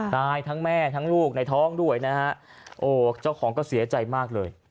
นายทั้งแม่ทั้งลูกในท้องด้วยนะฮะโอ้เจ้าของก็เสียใจมากเลย